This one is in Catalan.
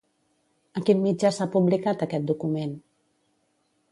A quin mitjà s'ha publicat aquest document?